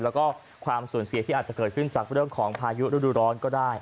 แล้วก็ความสูญเสียที่อาจจะเกิดขึ้นจากเรื่องของพายุฤดูร้อนก็ได้